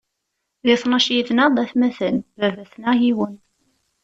Di tnac yid-nneɣ d atmaten, baba-tneɣ yiwen.